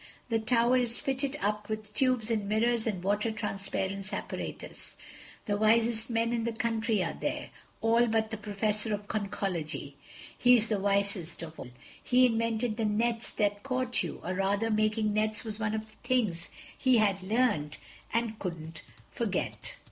The tower is fitted up with tubes and mirrors and water transparence apparatus. The wisest men in the country are there—all but the Professor of Conchology. He's the wisest of all. He invented the nets that caught you—or rather, making nets was one of the things that he had learned and couldn't forget."